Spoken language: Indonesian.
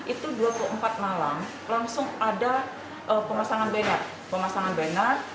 itu dua puluh empat malam langsung ada pemasangan banner